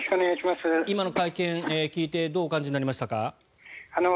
今の会見を聞いてどうお感じになりましたか？